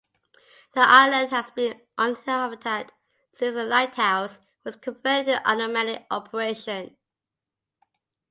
The island has been uninhabited since the lighthouse was converted to automatic operation.